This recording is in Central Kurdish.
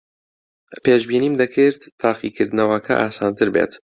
پێشبینیم دەکرد تاقیکردنەوەکە ئاسانتر بێت.